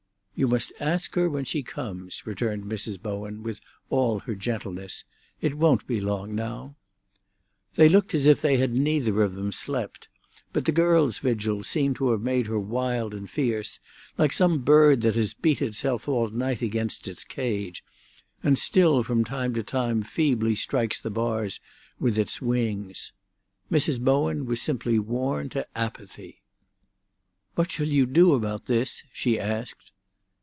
"You must ask her when she comes," returned Mrs. Bowen, with all her gentleness. "It won't be long now." They looked as if they had neither of them slept; but the girl's vigil seemed to have made her wild and fierce, like some bird that has beat itself all night against its cage, and still from time to time feebly strikes the bars with its wings. Mrs. Bowen was simply worn to apathy. "What shall you do about this?" she asked.